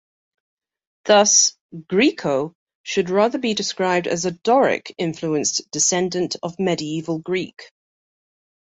Thus, Griko should rather be described as a Doric-influenced descendant of Medieval Greek.